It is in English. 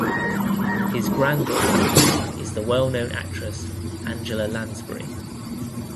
His granddaughter is the well-known actress Angela Lansbury.